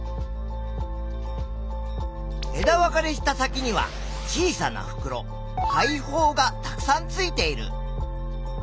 枝分かれした先には小さなふくろ「肺胞」がたくさんついている。